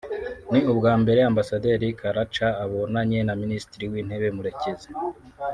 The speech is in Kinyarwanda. ni ubwa mbere Ambasaderi Karaca abonanye na Minisitiri w’intebe Murekezi